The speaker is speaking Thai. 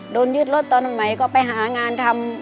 ยึดรถตอนใหม่ก็ไปหางานทำ